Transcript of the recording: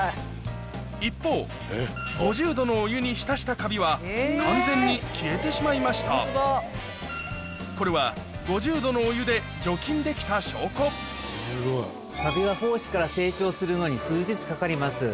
一方５０℃のお湯に浸したカビは完全に消えてしまいましたこれは５０℃のお湯で除菌できた証拠カビは胞子から成長するのに数日かかります。